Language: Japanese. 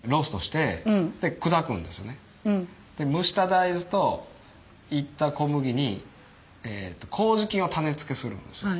蒸した大豆と煎った小麦にこうじ菌を種付けするんですよ。